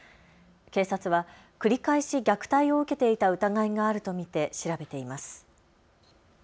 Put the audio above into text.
警察は繰り返し虐待を受けていた疑いがあると見て調べています。